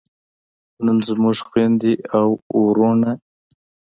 نن زموږ خویندې او وروڼه